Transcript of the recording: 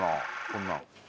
こんなの。